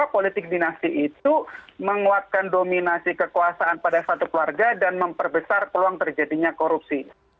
politik dinasti itu menguatkan dominasi kekuasaan pada satu keluarga dan memperbesar peluang terjadinya korupsi